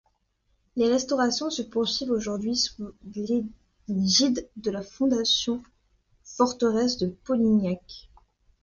Les restaurations se poursuivent aujourd’hui sous l’égide de la Fondation Forteresse de Polignac.